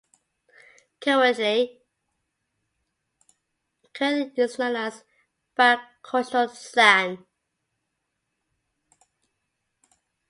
Currently it is known as Bashkortostan.